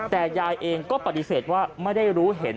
แต่ยายเองก็ปฏิเสธว่าไม่ได้รู้เห็น